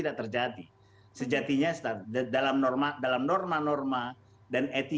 ke wilayah yang ramah